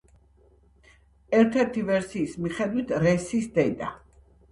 ერთ-ერთი ვერსიის მიხედვით რესის დედა.